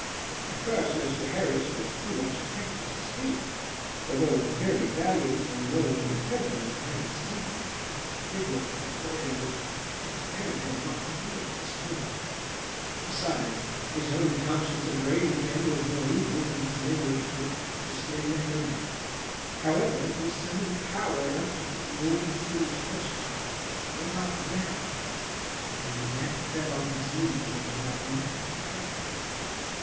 At first Mr Harris was too much affected to speak, for though very valiant and noisy in company, there was something about the figure before him which declared her not to be of this world: besides, his own conscience upbraided him with more evil than his memory could just then recollect. However, he summoned power enough to put the old foolish question, "what art thou?" and with that fell on his knees in a devout manner to pray.